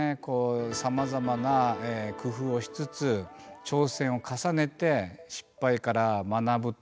さまざまな工夫をしつつ挑戦を重ねて失敗から学ぶと。